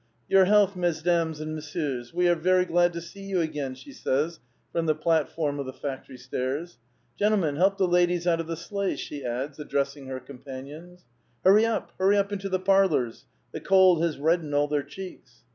*' Your health, mesdames and messieurs. We are very glad to see you again," she says from the platform of the factory stairs. —'* Gentlemen, help the ladies out of tlie sleighs," she adds, addressing her companions. Hurry up ! hurry up into the parlors 1 The cold has reddened all their cheeks.